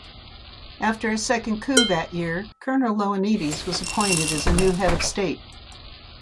After a second coup that year, Colonel Ioannides was appointed as the new head-of-state.